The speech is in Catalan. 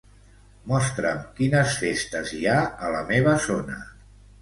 Mostra'm quines festes hi ha a la meva zona.